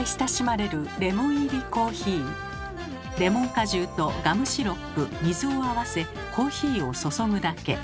レモン果汁とガムシロップ水を合わせコーヒーを注ぐだけ。